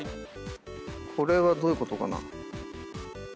これはどういうことかな？